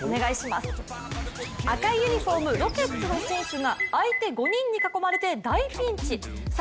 赤いユニフォーム、ロケッツの選手が相手５人に囲まれて大ピンチ、さあ